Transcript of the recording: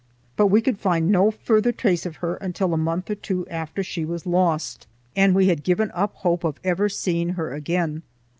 But we could find no farther trace of her until a month or two after she was lost, and we had given up hope of ever seeing her again.